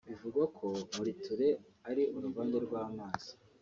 Bivugwa ko Muriture ari uruvange rw’amazi